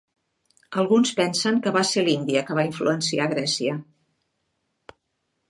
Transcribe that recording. Alguns pensen que va ser l'Índia que va influenciar Grècia.